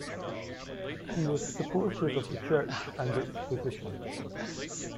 He was supportive of the church and its positions.